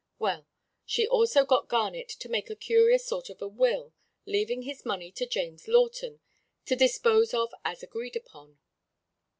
"Well, she also got Garnett to make a curious sort of a will, leaving his money to James Lawton, to 'dispose of as agreed upon.'